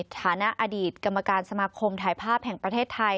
ฐานะอดีตกรรมการสมาคมถ่ายภาพแห่งประเทศไทย